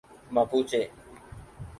Mapuche